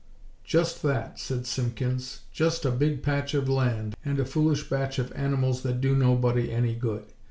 "Just that," said Simpkins. "Just a big patch of land, and a foolish batch of animals that do nobody any good.